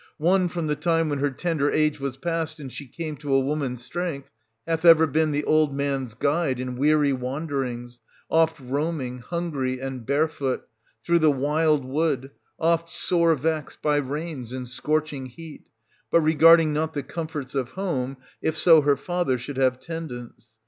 One, from the time when her tender age was past and she came to a woman's strength, hath ever been the old man's guide in weary wanderings, oft roaming, hungry and bare foot, through the wild wood, oft sore vexed by rains and scorching heat, — but regarding not 350 the comforts of home, if so her father should have tend ance.